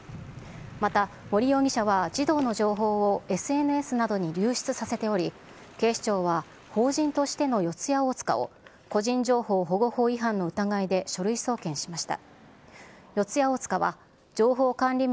また、森容疑者は、児童の情報をＳＮＳなどに流出させており、警視庁は、法人としての四谷大塚を個人情報保護法違反の疑いで書類送検しました。